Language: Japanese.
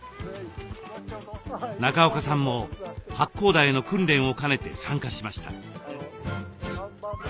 中岡さんも八甲田への訓練を兼ねて参加しました。